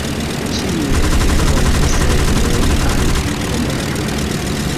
Ĉiun demandu, sed mem al vi komandu.